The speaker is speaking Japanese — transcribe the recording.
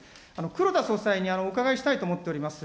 黒田総裁にお伺いしたいと思っております。